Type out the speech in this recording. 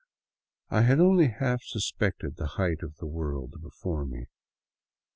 I had only half suspected the height of the world before me.